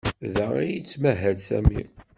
Da ay yettmahal Sami.